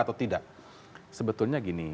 atau tidak sebetulnya gini